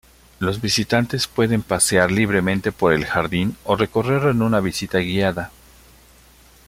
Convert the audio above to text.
Los visitantes pueden pasear libremente por el jardín o recorrerlo en una visita guiada.